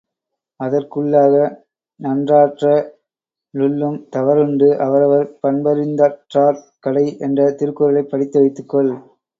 அதற்குள்ளாக, நன்றாற்ற லுள்ளும் தவறுண்டு அவரவர் பண்பறிந் தாற்றாக் கடை என்ற திருக்குறளைப் படித்து வைத்துக் கொள்!